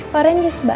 paren jus mbak